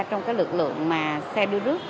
trong cái lực lượng mà xe đưa rước